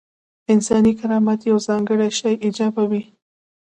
انساني کرامت یو ځانګړی شی ایجابوي.